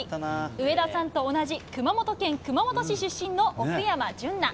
上田さんと同じ熊本県熊本市出身の奥山純菜。